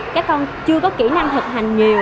các con chưa có kỹ năng thực hành nhiều